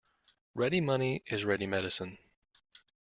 Ready money is ready medicine.